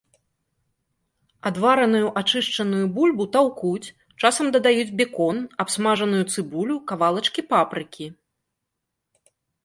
Адвараную ачышчаную бульбу таўкуць, часам дадаюць бекон, абсмажаную цыбулю, кавалачкі папрыкі.